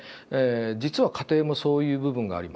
実は家庭もそういう部分がありますね。